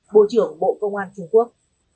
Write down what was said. bộ trưởng bộ công an trung quốc